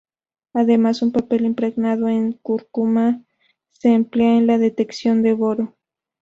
Además, un papel impregnado en cúrcuma se emplea en la detección de boro.